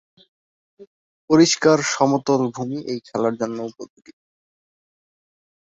পরিষ্কার সমতল ভুমি এই খেলার জন্য উপযোগী।